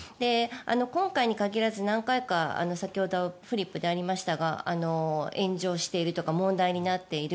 今回に限らず何回か先ほどフリップでありましたが炎上しているとか問題になっている。